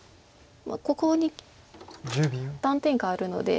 ここに断点があるので。